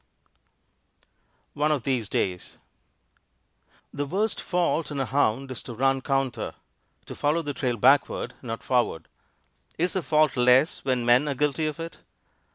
_ ONE OF THESE DAYS The worst fault in a hound is to run counter to follow the trail backward, not forward. Is the fault less when men are guilty of it?